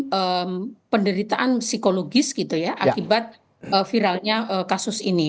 tidak semakin mengalami penderitaan psikologis gitu ya akibat viralnya kasus ini